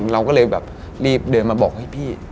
เราก็เลยแบบรีบเดินมาบอกให้พี่